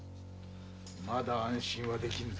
まだ安心はできぬ。